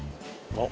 あっ！